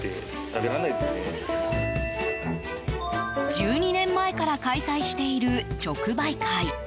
１２年前から開催している直売会。